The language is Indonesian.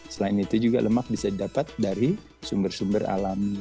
selain itu juga lemak bisa didapat dari sumber sumber alami